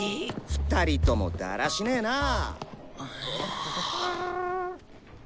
２人ともだらしねなぁ。